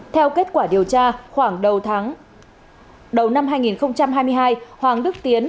theo kết quả điều tra khoảng đầu tháng đầu năm hai nghìn hai mươi hai hoàng đức tiến